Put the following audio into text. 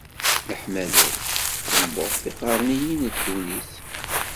Leḥmada-k tewweḍ tiqerniyin n ddunit.